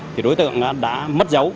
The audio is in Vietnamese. thì đối tượng đã mất dấu